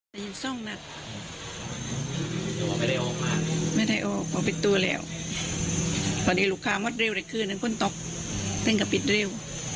ว่าเร็วเดียวคืนนั้นควรตกตั้งกับปิดเร็ว